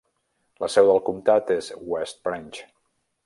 La seu del comtat és West Branch.